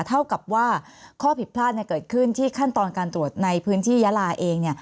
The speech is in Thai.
เท่ากับว่าข้อผิดพลาดเกิดขึ้นที่ขั้นตอนการตรวจในพื้นที่ยาลาเอง